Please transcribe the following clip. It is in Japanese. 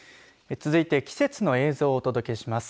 続いて季節の映像を届けします。